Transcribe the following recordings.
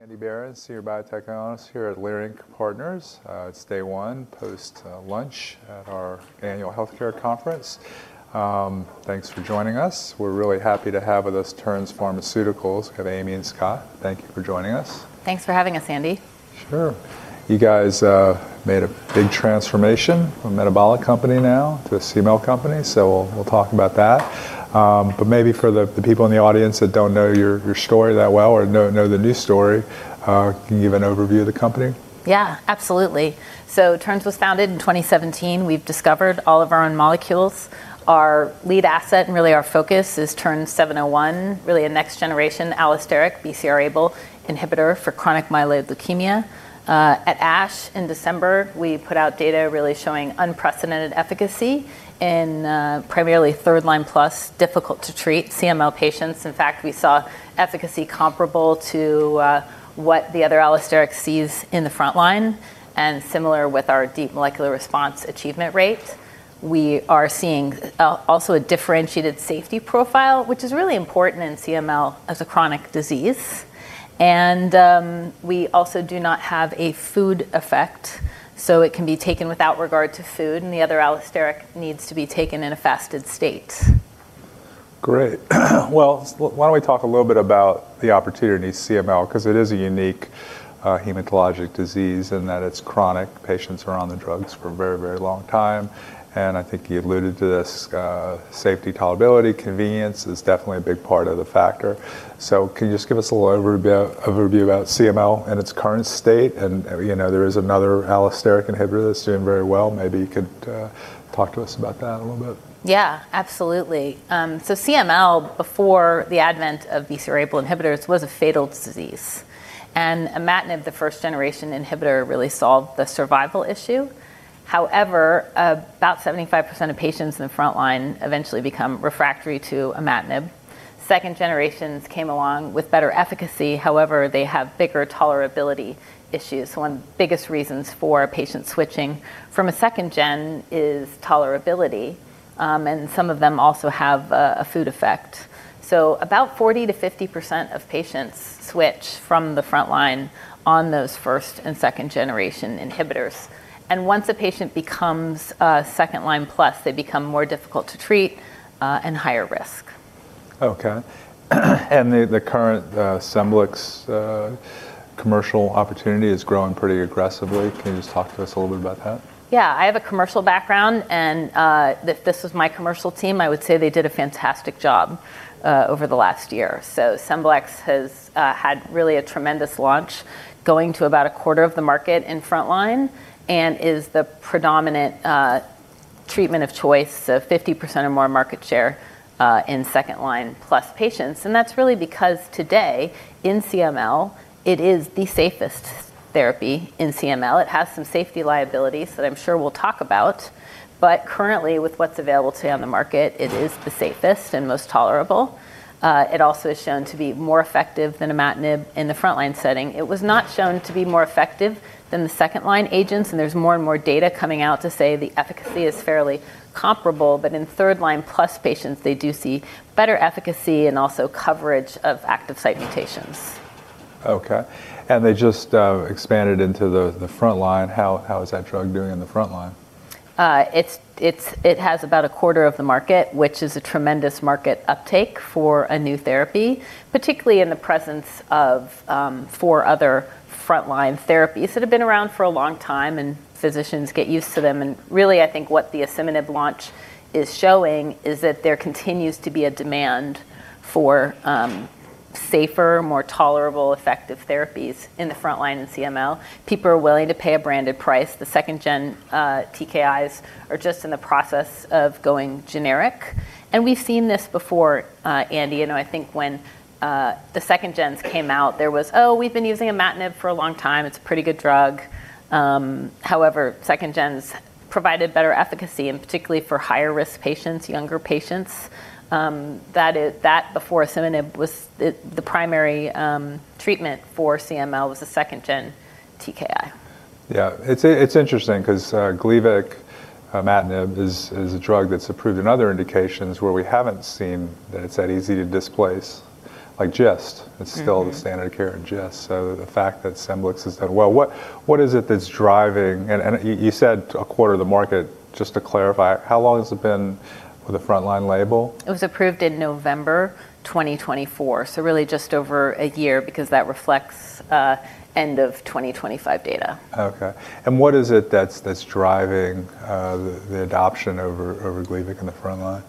Andrew Berens, your biotech analyst here at Leerink Partners. It's day one post, lunch at our annual healthcare conference. Thanks for joining us. We're really happy to have with us Terns Pharmaceuticals. We have Amy and Scott. Thank you for joining us. Thanks for having us, Andy. Sure. You guys made a big transformation from a metabolic company now to a CML company, so we'll talk about that. Maybe for the people in the audience that don't know your story that well or know the new story, can you give an overview of the company? Yeah, absolutely. Terns Pharmaceuticals was founded in 2017. We've discovered all of our own molecules. Our lead asset, and really our focus is TERN-701, really a next generation allosteric BCR-ABL inhibitor for chronic myeloid leukemia. At ASH in December, we put out data really showing unprecedented efficacy in primarily third line plus difficult to treat CML patients. In fact, we saw efficacy comparable to what the other allosteric sees in the front line and similar with our deep molecular response achievement rates. We are seeing also a differentiated safety profile, which is really important in CML as a chronic disease. We also do not have a food effect, so it can be taken without regard to food, and the other allosteric needs to be taken in a fasted state. Great. Well, why don't we talk a little bit about the opportunity CML because it is a unique, hematologic disease in that it's chronic. Patients are on the drugs for a very, very long time. I think you alluded to this, safety tolerability, convenience is definitely a big part of the factor. Can you just give us a little overview about CML and its current state? You know, there is another allosteric inhibitor that's doing very well. Maybe you could talk to us about that a little bit. Absolutely. CML, before the advent of BCR-ABL inhibitors was a fatal disease. imatinib, the first generation inhibitor, really solved the survival issue. However, about 75% of patients in the front line eventually become refractory to imatinib. Second generations came along with better efficacy, however, they have bigger tolerability issues. One of the biggest reasons for a patient switching from a second gen is tolerability, and some of them also have a food effect. About 40%-50% of patients switch from the front line on those first and second generation inhibitors. Once a patient becomes second line plus, they become more difficult to treat and higher risk. Okay. The, the current Scemblix commercial opportunity is growing pretty aggressively. Can you just talk to us a little bit about that? I have a commercial background, and if this was my commercial team, I would say they did a fantastic job over the last year. Scemblix has had really a tremendous launch going to about 1/4 of the market in front line and is the predominant treatment of choice, so 50% or more market share in second line plus patients. That's really because today in CML, it is the safest therapy in CML. It has some safety liabilities that I'm sure we'll talk about, but currently with what's available today on the market, it is the safest and most tolerable. It also is shown to be more effective than imatinib in the front line setting. It was not shown to be more effective than the second line agents, and there's more and more data coming out to say the efficacy is fairly comparable. In third line plus patients, they do see better efficacy and also coverage of active site mutations. Okay. They just expanded into the front line. How is that drug doing in the front line? It has about a quarter of the market, which is a tremendous market uptake for a new therapy, particularly in the presence of 4 other front line therapies that have been around for a long time, and physicians get used to them. Really, I think what the asciminib launch is showing is that there continues to be a demand for safer, more tolerable, effective therapies in the front line in CML. People are willing to pay a branded price. The second gen TKIs are just in the process of going generic. We've seen this before, Andy. You know, I think when the second gens came out, there was, "Oh, we've been using imatinib for a long time. It's a pretty good drug." However, second gens provided better efficacy, and particularly for higher risk patients, younger patients, that before asciminib was the primary treatment for CML was the second gen TKI. Yeah. It's, it's interesting because, Gleevec, imatinib is a drug that's approved in other indications where we haven't seen that it's that easy to displace, like GIST. It's still the standard of care in GIST. The fact that Scemblix has done well, what is it that's driving... And you said a quarter of the market. Just to clarify, how long has it been with a front line label? It was approved in November 2024, so really just over a year because that reflects, end of 2025 data. Okay. what is it that's driving the adoption over Gleevec in the front line?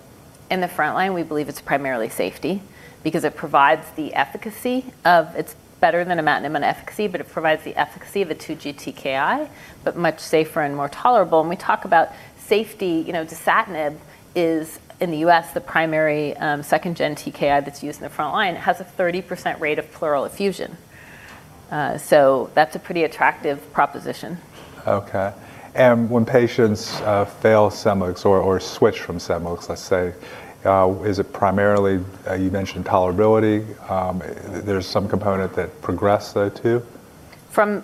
In the front line, we believe it's primarily safety because it provides the efficacy of. It's better than imatinib on efficacy, but it provides the efficacy of a 2G TKI, but much safer and more tolerable. We talk about safety. You know, dasatinib is, in the U.S., the primary second-gen TKI that's used in the front line. It has a 30% rate of pleural effusion. That's a pretty attractive proposition. Okay. When patients fail Scemblix or switch from Scemblix, let's say, is it primarily, you mentioned tolerability. There's some component that progressed though too? From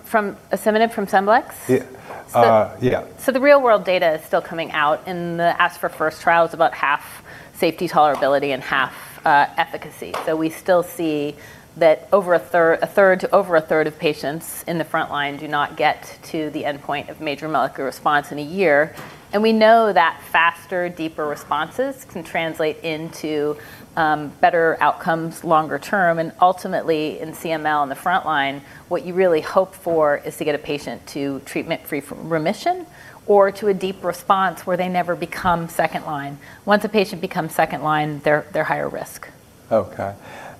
asciminib from Scemblix? Yeah. Yeah. The real-world data is still coming out, and the ASC4FIRST trial is about half safety tolerability and half efficacy. We still see that over a third, a third to over a third of patients in the frontline do not get to the endpoint of Major Molecular Response in a year. We know that faster, deeper responses can translate into better outcomes longer term and ultimately in CML in the frontline, what you really hope for is to get a patient to treatment-free remission or to a deep response where they never become second line. Once a patient becomes second line, they're higher risk. Okay.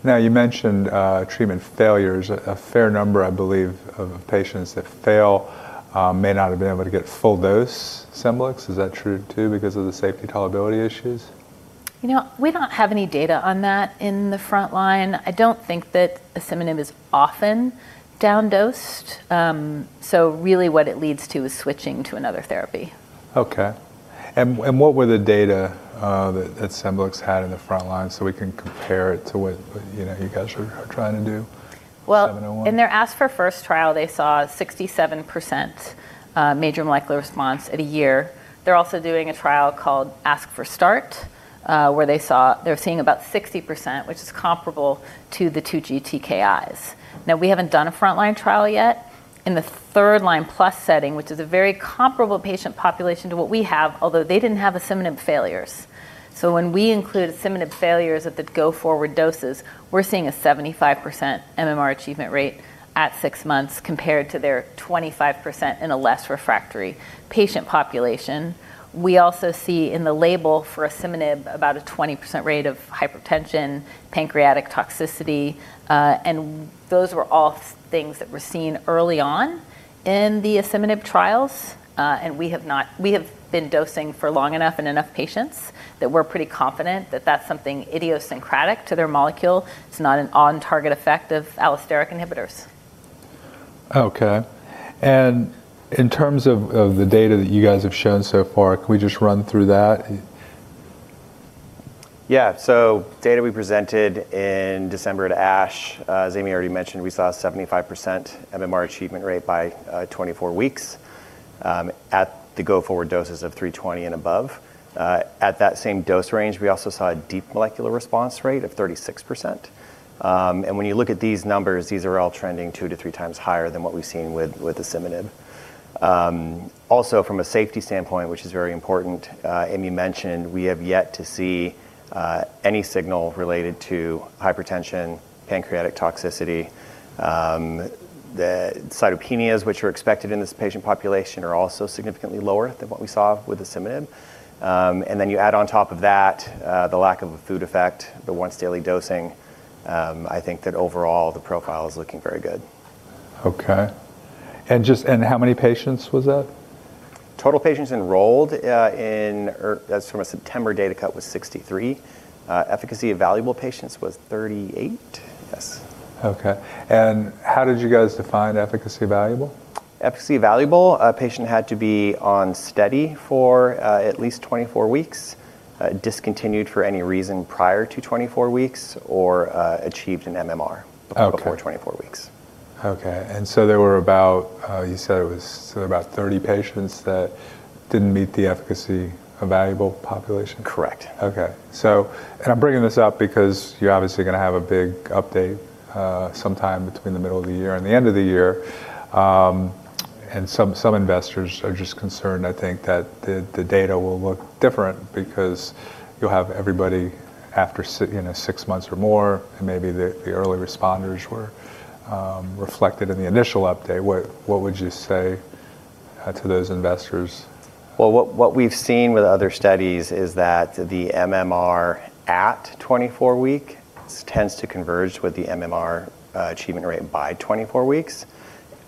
Now, you mentioned treatment failures. A fair number I believe of patients that fail may not have been able to get full dose Scemblix. Is that true, too, because of the safety tolerability issues? You know, we don't have any data on that in the frontline. I don't think that asciminib is often down-dosed. Really what it leads to is switching to another therapy. Okay. What were the data that Scemblix had in the frontline so we can compare it to what, you know, you guys are trying to do. Well in their ASC4FIRST trial they saw 67% major molecular response at a year. They're also doing a trial called ASC4START, where they're seeing about 60% which is comparable to the 2 GTKIs. Now, we haven't done a frontline trial yet. In the 3rd line plus setting which is a very comparable patient population to what we have although they didn't have asciminib failures. When we include asciminib failures at the go forward doses, we're seeing a 75% MMR achievement rate at 6 months compared to their 25% in a less refractory patient population. We also see in the label for asciminib about a 20% rate of hypertension, pancreatic toxicity, and those were all things that were seen early on in the asciminib trials. We have been dosing for long enough in enough patients that we're pretty confident that that's something idiosyncratic to their molecule. It's not an on target effect of allosteric inhibitors. Okay. In terms of the data that you guys have shown so far, can we just run through that? Data we presented in December at ASH, as Amy already mentioned, we saw 75% MMR achievement rate by 24 weeks, at the go forward doses of 320 and above. At that same dose range, we also saw a deep molecular response rate of 36%. When you look at these numbers, these are all trending 2-3 times higher than what we've seen with asciminib. Also from a safety standpoint which is very important, Amy mentioned we have yet to see any signal related to hypertension, pancreatic toxicity. The cytopenias which are expected in this patient population are also significantly lower than what we saw with asciminib. Then you add on top of that, the lack of a food effect, the once daily dosing, I think that overall the profile is looking very good. Okay. How many patients was that? Total patients enrolled, in or as from a September data cut was 63. Efficacy of valuable patients was 38. Yes. Okay. How did you guys define efficacy valuable? Efficacy valuable, a patient had to be on study for, at least 24 weeks, discontinued for any reason prior to 24 weeks or, achieved an MMR before 24 weeks. Okay. There were about, you said it was sort of about 30 patients that didn't meet the efficacy valuable population? Correct. I'm bringing this up because you're obviously gonna have a big update, sometime between the middle of the year and the end of the year. Some investors are just concerned, I think, that the data will look different because you'll have everybody after you know, 6 months or more and maybe the early responders were reflected in the initial update. What would you say to those investors? Well, what we've seen with other studies is that the MMR at 24 weeks tends to converge with the MMR achievement rate by 24 weeks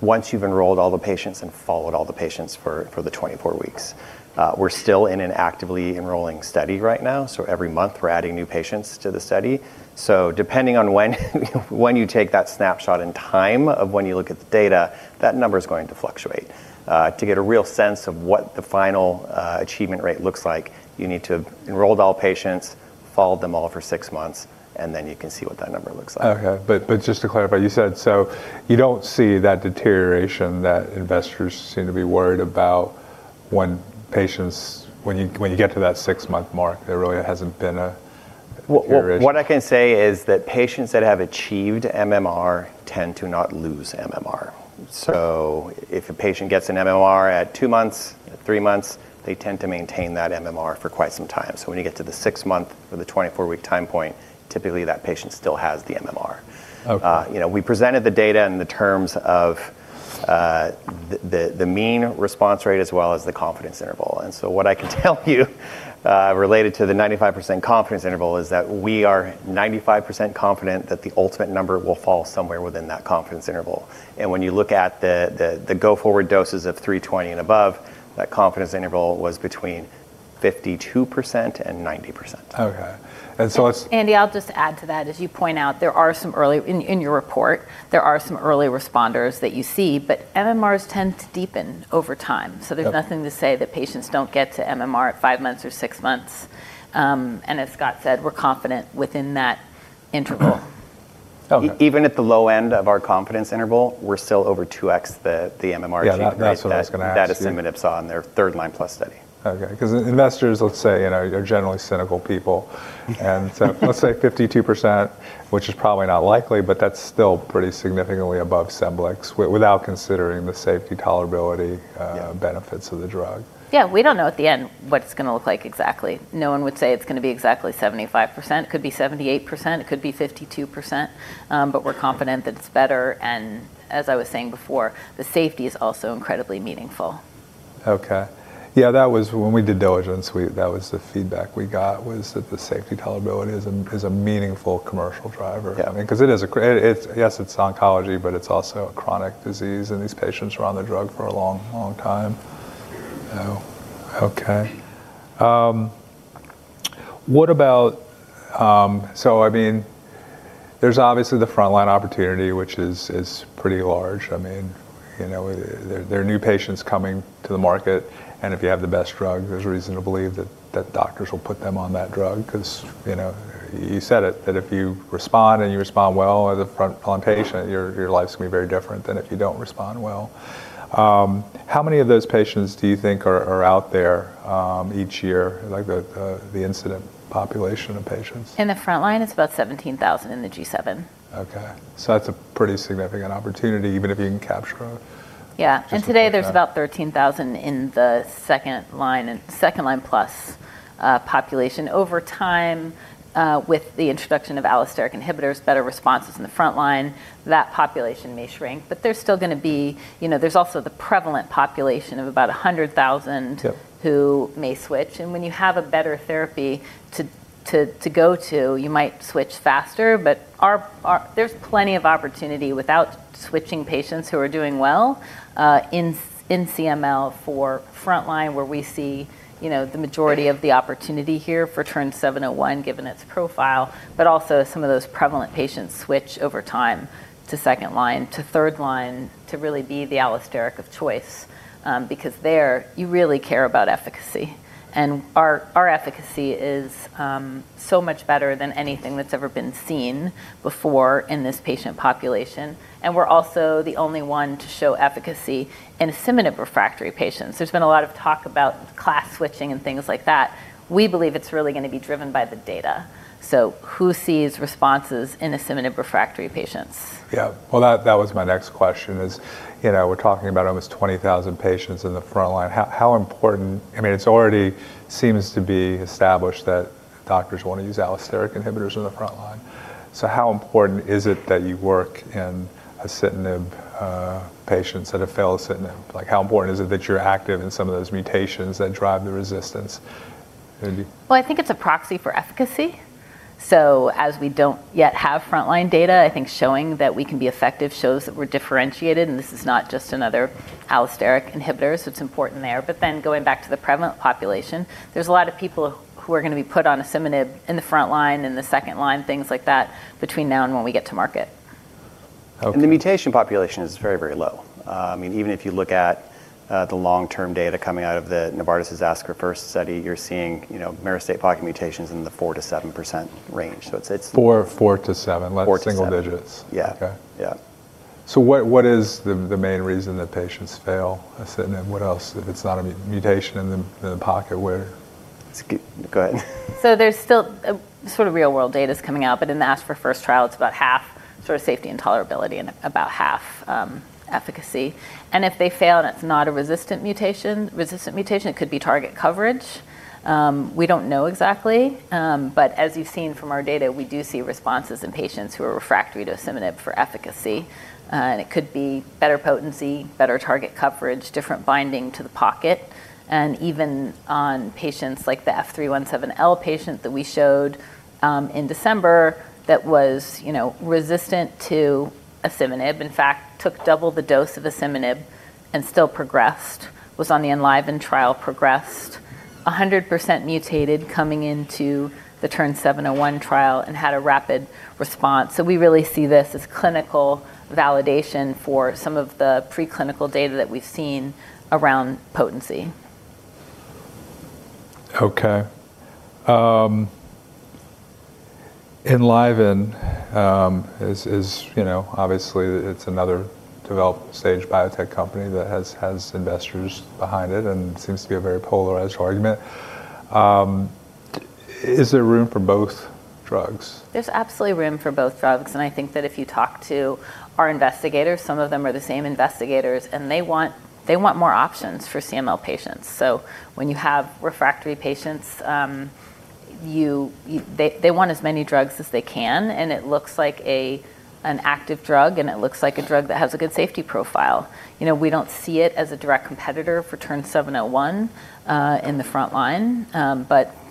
once you've enrolled all the patients and followed all the patients for the 24 weeks. We're still in an actively enrolling study right now, so every month we're adding new patients to the study. Depending on when you take that snapshot in time of when you look at the data, that number is going to fluctuate. To get a real sense of what the final achievement rate looks like, you need to enrolled all patients, followed them all for six months, and then you can see what that number looks like. Just to clarify, you said you don't see that deterioration that investors seem to be worried about when you get to that 6-month mark, there really hasn't been a deterioration. What I can say is that patients that have achieved MMR tend to not lose MMR. Okay. If a patient gets an MMR at two months, at three months, they tend to maintain that MMR for quite some time. When you get to the six month or the 24-week time point, typically that patient still has the MMR. Okay. you know, we presented the data in the terms of the mean response rate as well as the confidence interval. What I can tell you related to the 95% confidence interval is that we are 95% confident that the ultimate number will fall somewhere within that confidence interval. When you look at the go forward doses of 320 and above, that confidence interval was between 52% and 90%. Okay. Andy, I'll just add to that. As you point out, there are some early in your report, there are some early responders that you see, but MMRs tend to deepen over time. Yeah. There's nothing to say that patients don't get to MMR at five months or six months. As Scott said, we're confident within that interval. Even at the low end of our confidence interval, we're still over 2x the MMR- Yeah, that's what I was gonna ask you.... that asciminib saw in their third line plus study. Okay, 'cause investors, let's say, you know, they're generally cynical people. Let's say 52%, which is probably not likely, but that's still pretty significantly above Scemblix without considering the safety tolerability. Yeah Benefits of the drug. Yeah. We don't know at the end what it's gonna look like exactly. No one would say it's gonna be exactly 75%. It could be 78%. It could be 52%. We're confident that it's better. As I was saying before, the safety is also incredibly meaningful. Okay. Yeah, that was when we did diligence, that was the feedback we got was that the safety tolerability is a meaningful commercial driver. Yeah. I mean, 'cause it is a great... Yes, it's oncology, but it's also a chronic disease, and these patients are on the drug for a long, long time. You know. Okay. What about, I mean, there's obviously the frontline opportunity, which is pretty large. I mean, you know, there are new patients coming to the market, and if you have the best drug, there's reason to believe that doctors will put them on that drug 'cause, you know, you said it, that if you respond and you respond well as a frontline patient, your life's gonna be very different than if you don't respond well. How many of those patients do you think are out there each year, like, the incident population of patients? In the front line, it's about 17,000 in the G7. Okay. That's a pretty significant opportunity even if you can capture. Yeah. Just like that. Today there's about 13,000 in the second line and second line plus population. Over time, with the introduction of allosteric inhibitors, better responses in the front line, that population may shrink. There's still gonna be... You know, there's also the prevalent population of about 100,000 who may switch. When you have a better therapy to go to, you might switch faster, but there's plenty of opportunity without switching patients who are doing well, in CML for frontline, where we see, you know, the majority of the opportunity here for TERN-701 given its profile, but also some of those prevalent patients switch over time to second line, to third line to really be the allosteric of choice. Because there you really care about efficacy. Our efficacy is so much better than anything that's ever been seen before in this patient population, and we're also the only one to show efficacy in asciminib refractory patients. There's been a lot of talk about class switching and things like that. We believe it's really gonna be driven by the data. Who sees responses in asciminib refractory patients? Yeah. Well, that was my next question is, you know, we're talking about almost 20,000 patients in the front line. How important... I mean, it's already seems to be established that doctors wanna use allosteric inhibitors in the front line. How important is it that you work in asciminib patients that have failed asciminib? Like, how important is it that you're active in some of those mutations that drive the resistance? Amy? I think it's a proxy for efficacy. As we don't yet have frontline data, I think showing that we can be effective shows that we're differentiated, and this is not just another allosteric inhibitor, so it's important there. Going back to the prevalent population, there's a lot of people who are gonna be put on asciminib in the front line and the second line, things like that, between now and when we get to market. Okay. The mutation population is very, very low. Even if you look at the long-term data coming out of the Novartis's ASCER-1 study, you're seeing myristate pocket mutations in the 4%-7% range. It's Four, four to seven. 4-7. Like single digits. Yeah. Okay. Yeah. What is the main reason that patients fail asciminib? What else if it's not a mutation in the pocket where? It's. Go ahead. There's still sort of real world data's coming out, but in the ASC4FIRST trial, it's about half sort of safety and tolerability and about half efficacy. If they fail and it's not a resistant mutation, it could be target coverage. We don't know exactly. As you've seen from our data, we do see responses in patients who are refractory to asciminib for efficacy. It could be better potency, better target coverage, different binding to the pocket. Even on patients like the F317L patient that we showed in December that was, you know, resistant to asciminib, in fact took double the dose of asciminib and still progressed, was on the Enliven trial, progressed 100% mutated coming into the TERN-701 trial and had a rapid response. We really see this as clinical validation for some of the preclinical data that we've seen around potency. Okay. Enliven, is, you know, obviously it's another developed stage biotech company that has investors behind it and seems to be a very polarized argument. Is there room for both drugs? There's absolutely room for both drugs. I think that if you talk to our investigators, some of them are the same investigators, and they want more options for CML patients. When you have refractory patients, they want as many drugs as they can, and it looks like an active drug, and it looks like a drug that has a good safety profile. You know, we don't see it as a direct competitor for TERN-701 in the front line.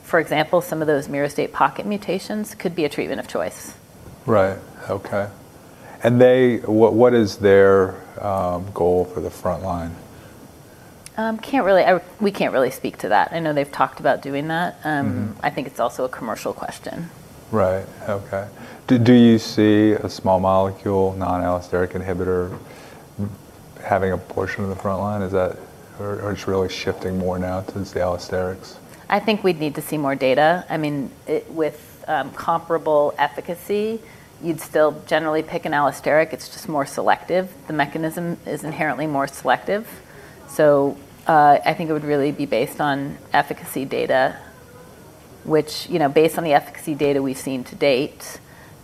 For example, some of those myristate pocket mutations could be a treatment of choice. Right. Okay. What is their goal for the front line? Can't really... We can't really speak to that. I know they've talked about doing that. I think it's also a commercial question. Right. Okay. Do you see a small molecule, non-allosteric inhibitorHaving a portion of the front line, is that? It's really shifting more now since the allosterics? I think we'd need to see more data. I mean, with comparable efficacy, you'd still generally pick an allosteric. It's just more selective. The mechanism is inherently more selective. I think it would really be based on efficacy data, which, you know, based on the efficacy data we've seen to date,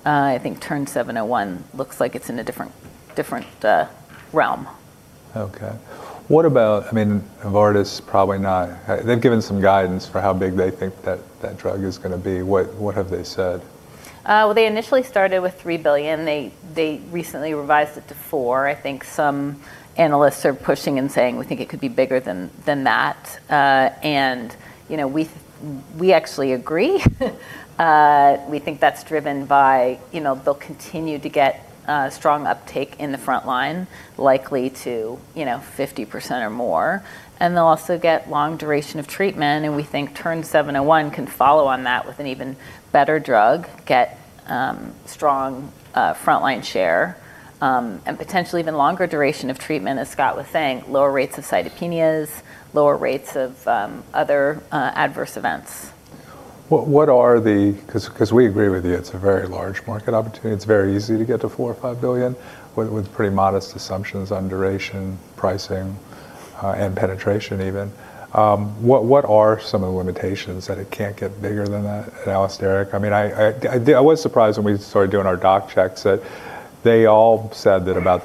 I think TERN-701 looks like it's in a different realm. Okay. I mean, They've given some guidance for how big they think that drug is gonna be. What have they said? Well, they initially started with $3 billion. They recently revised it to $4 billion. I think some analysts are pushing and saying, "We think it could be bigger than that." You know, we actually agree. We think that's driven by, you know, they'll continue to get strong uptake in the frontline, likely to, you know, 50% or more, and they'll also get long duration of treatment, and we think TERN-701 can follow on that with an even better drug, get strong frontline share, and potentially even longer duration of treatment, as Scott was saying, lower rates of cytopenias, lower rates of other adverse events. What are the? Cause we agree with you. It's a very large market opportunity. It's very easy to get to $4 billion or $5 billion with pretty modest assumptions on duration, pricing, and penetration even. What are some of the limitations that it can't get bigger than that in allosteric? I mean, I was surprised when we started doing our doc checks that they all said that about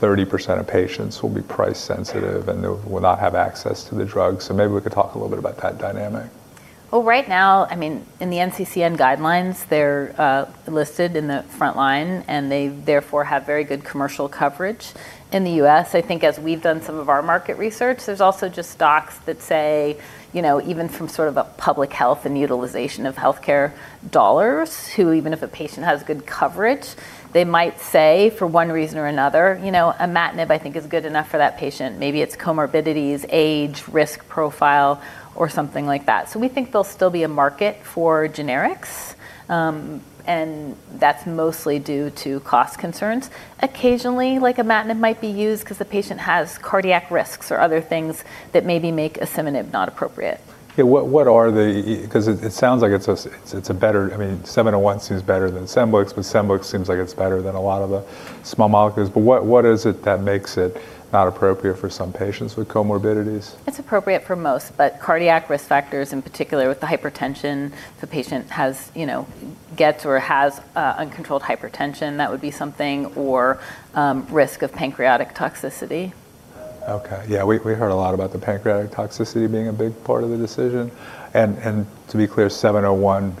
30% of patients will be price sensitive, and they will not have access to the drug. Maybe we could talk a little bit about that dynamic. Well, right now, I mean, in the NCCN guidelines, they're listed in the frontline. They therefore have very good commercial coverage. In the U.S., I think as we've done some of our market research, there's also just docs that say, you know, even from sort of a public health and utilization of healthcare dollars, who even if a patient has good coverage, they might say for one reason or another, you know, "imatinib I think is good enough for that patient." Maybe it's comorbidities, age, risk profile, or something like that. We think there'll still be a market for generics, and that's mostly due to cost concerns. Occasionally, like imatinib might be used 'cause the patient has cardiac risks or other things that maybe make asciminib not appropriate. Yeah. I mean, 701 seems better than Scemblix, but Scemblix seems like it's better than a lot of the small molecules, but what is it that makes it not appropriate for some patients with comorbidities? It's appropriate for most, but cardiac risk factors, in particular with the hypertension the patient has, you know, gets or has, uncontrolled hypertension, that would be something, or, risk of pancreatic toxicity. Okay. Yeah. We heard a lot about the pancreatic toxicity being a big part of the decision, and to be clear, 701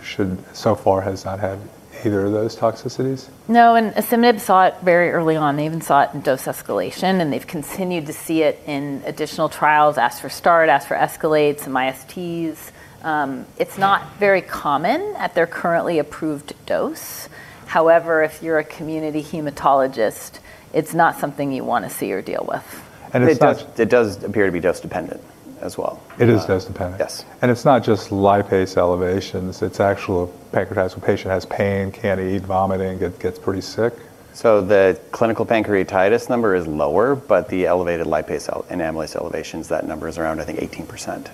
so far has not had either of those toxicities? No. asciminib saw it very early on. They even saw it in dose escalation, and they've continued to see it in additional trials, ASC4FIRST, ASC2ESCALATE, some ISTs. It's not very common at their currently approved dose. However, if you're a community hematologist, it's not something you wanna see or deal with. it's not. It does appear to be dose-dependent as well. It is dose-dependent? Yes. It's not just lipase elevations, it's actual pancreatitis, where the patient has pain, can't eat, vomiting, gets pretty sick? The clinical pancreatitis number is lower, but the elevated lipase amylase elevations, that number is around, I think, 18%.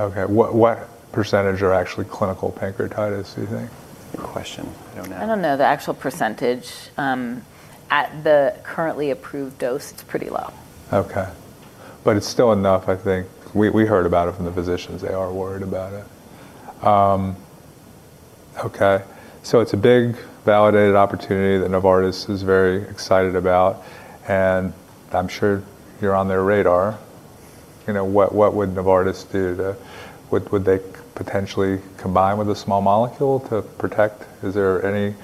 Okay. What % are actually clinical pancreatitis, do you think? Good question. I don't know. I don't know the actual percentage. At the currently approved dose, it's pretty low. Okay. It's still enough, I think. We heard about it from the physicians. They are worried about it. Okay. It's a big validated opportunity that Novartis is very excited about, and I'm sure you're on their radar. You know, what would Novartis do to... Would they potentially combine with a small molecule to protect? Is there any,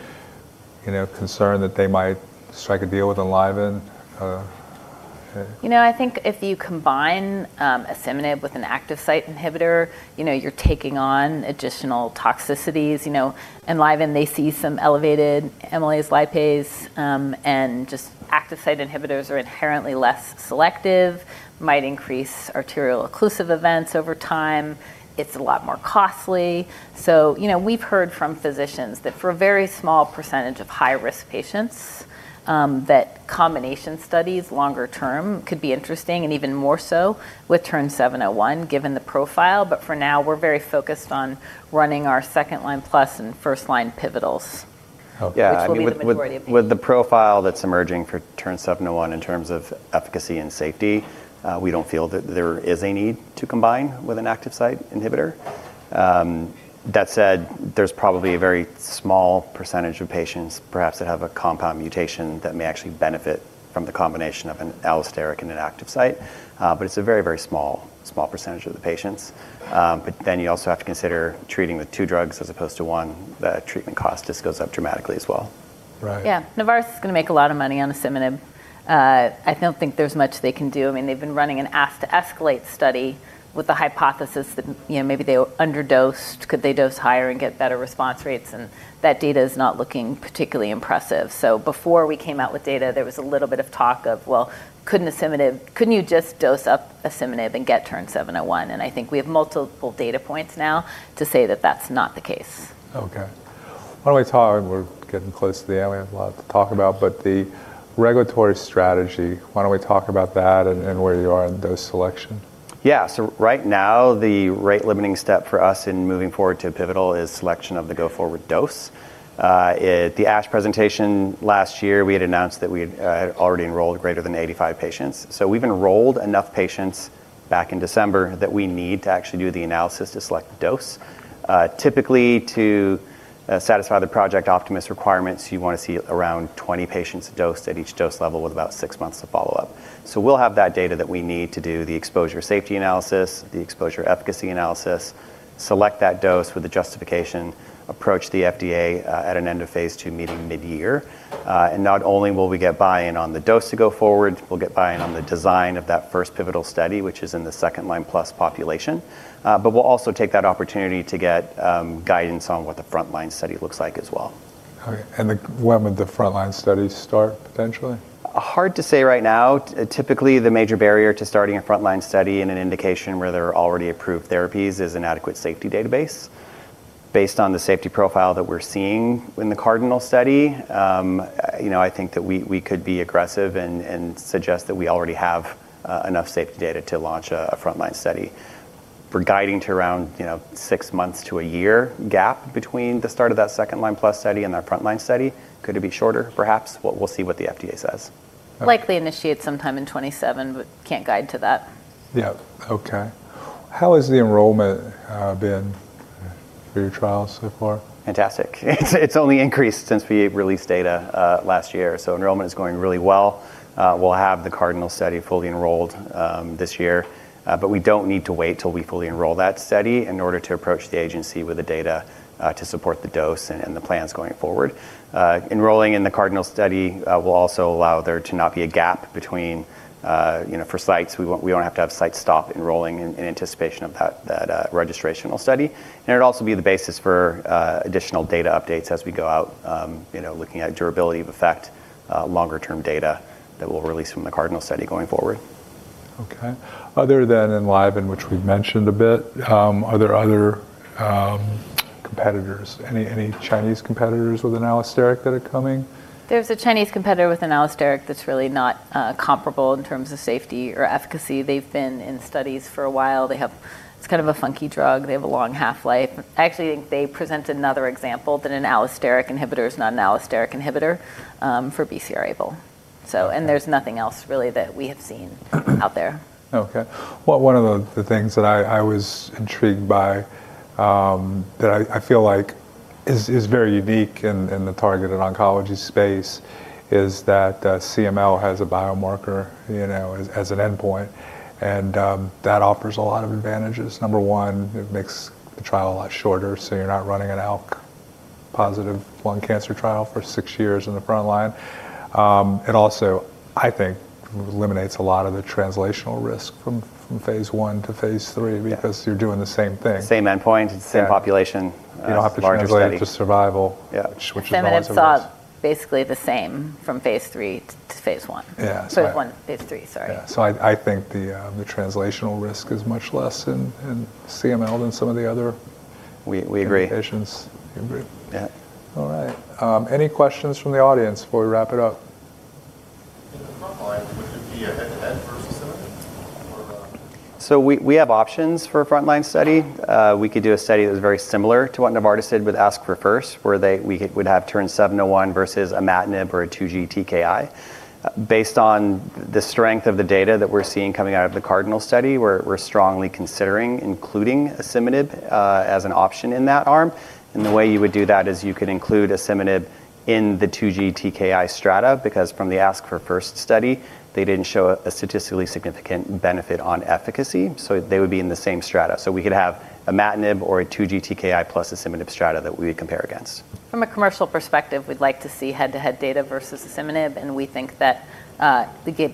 you know, concern that they might strike a deal with Enliven? Okay. You know, I think if you combine asciminib with an active site inhibitor, you know, you're taking on additional toxicities, you know. Enliven, they see some elevated amylase, lipase, and just active site inhibitors are inherently less selective, might increase arterial occlusive events over time. It's a lot more costly. You know, we've heard from physicians that for a very small percentage of high-risk patients, that combination studies longer term could be interesting and even more so with TERN-701 given the profile. For now, we're very focused on running our second-line plus and first-line pivotals. Okay. Yeah. I mean with the profile that's emerging for TERN-701 in terms of efficacy and safety, we don't feel that there is a need to combine with an active site inhibitor. That said, there's probably a very small percentage of patients perhaps that have a compound mutation that may actually benefit from the combination of an allosteric and an active site. It's a very small percentage of the patients. You also have to consider treating with two drugs as opposed to one, the treatment cost just goes up dramatically as well. Right. Yeah. Novartis is gonna make a lot of money on asciminib. I don't think there's much they can do. I mean, they've been running an ask to escalate study with the hypothesis that, you know, maybe they underdosed, could they dose higher and get better response rates, and that data is not looking particularly impressive. Before we came out with data, there was a little bit of talk of, "Well, couldn't you just dose up asciminib and get TERN-701?" I think we have multiple data points now to say that that's not the case. Okay. We're getting close to the end. We have a lot to talk about, the regulatory strategy, why don't we talk about that and where you are in dose selection? Right now, the rate limiting step for us in moving forward to pivotal is selection of the go forward dose. At the ASH presentation last year, we had announced that we had already enrolled greater than 85 patients. We've enrolled enough patients back in December that we need to actually do the analysis to select the dose. Typically to satisfy the Project Optimus requirements, you wanna see around 20 patients dosed at each dose level with about 6 months of follow-up. We'll have that data that we need to do the exposure safety analysis, the exposure efficacy analysis, select that dose with the justification, approach the FDA at an end of phase II meeting mid-year. Not only will we get buy-in on the dose to go forward, we'll get buy-in on the design of that first pivotal study, which is in the second-line-plus population. We'll also take that opportunity to get guidance on what the frontline study looks like as well. All right. When would the frontline study start potentially? Hard to say right now. Typically, the major barrier to starting a frontline study in an indication where there are already approved therapies is an adequate safety database. Based on the safety profile that we're seeing in the CARDINAL study, you know, I think that we could be aggressive and suggest that we already have enough safety data to launch a frontline study. We're guiding to around, you know, 6 months to 1 year gap between the start of that second-line-plus study and our frontline study. Could it be shorter perhaps? We'll see what the FDA says. Okay. Likely initiate sometime in 2027, but can't guide to that. Yeah. Okay. How has the enrollment been for your trials so far? Fantastic. It's only increased since we released data last year. Enrollment is going really well. We'll have the CARDINAL study fully enrolled this year. We don't need to wait till we fully enroll that study in order to approach the agency with the data to support the dose and the plans going forward. Enrolling in the CARDINAL study will also allow there to not be a gap between, you know, for sites. We don't have to have sites stop enrolling in anticipation of that registrational study. It'll also be the basis for additional data updates as we go out, you know, looking at durability of effect, longer term data that we'll release from the CARDINAL study going forward. Other than Enliven in which we've mentioned a bit, are there other competitors? Any, any Chinese competitors with an allosteric that are coming? There's a Chinese competitor with an allosteric that's really not comparable in terms of safety or efficacy. They've been in studies for a while. It's kind of a funky drug. They have a long half-life. I actually think they present another example that an allosteric inhibitor is not an allosteric inhibitor for BCR-ABL. There's nothing else really that we have seen out there. Well, one of the things that I was intrigued by, that I feel like is very unique in the targeted oncology space is that CML has a biomarker, you know, as an endpoint and that offers a lot of advantages. Number one, it makes the trial a lot shorter, you're not running an ALK-positive lung cancer trial for six years in the front line. It also, I think, eliminates a lot of the translational risk from phase I to phase III. Yeah Because you're doing the same thing. Same endpoint. Yeah. It's the same population. You don't have to. Larger study. To survival. Yeah. Which is always a risk. We saw basically the same from phase III to phase I. Yeah. Sorry, one to phase III. Sorry. Yeah. I think the translational risk is much less in CML than some of the. We agree indications. You agree? Yeah. All right. Any questions from the audience before we wrap it up? In the front line, would it be a head-to-head versus seven? We have options for a frontline study. We could do a study that's very similar to what Novartis did with ASC4FIRST, where we'd have TERN-701 versus imatinib or a 2GTKI. Based on the strength of the data that we're seeing coming out of the CARDINAL study, we're strongly considering including asciminib as an option in that arm. The way you would do that is you could include asciminib in the 2GTKI strata because from the ASC4FIRST study, they didn't show a statistically significant benefit on efficacy, so they would be in the same strata. We could have imatinib or a 2GTKI plus asciminib strata that we would compare against. From a commercial perspective, we'd like to see head-to-head data versus asciminib, and we think that,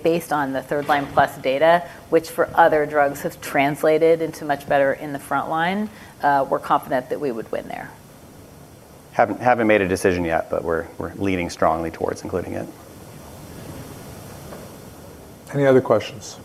based on the third line plus data, which for other drugs has translated into much better in the front line, we're confident that we would win there. Haven't made a decision yet, but we're leaning strongly towards including it. Any other questions?